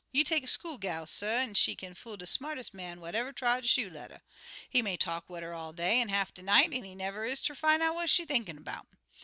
You take a school gal, suh, an' she kin fool de smartest man what ever trod shoe leather. He may talk wid 'er all day an' half de night, an' he never is ter fin' out what she thinkin' 'bout.